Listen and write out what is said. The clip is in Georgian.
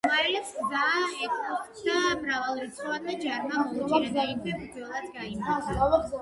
რომაელებს გზა ეტრუსკთა მრავალრიცხოვანმა ჯარმა მოუჭრა და იქვე ბრძოლაც გაიმართა.